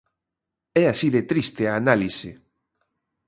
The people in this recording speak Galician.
É así de triste a análise.